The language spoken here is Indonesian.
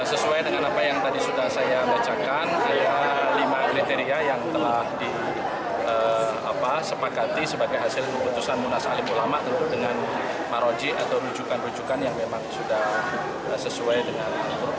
sesuai dengan apa yang tadi sudah saya bacakan ya lima kriteria yang telah disepakati sebagai hasil keputusan munas alim ulama dengan maroji atau rujukan rujukan yang memang sudah sesuai dengan al quran sunnah dan ketua umum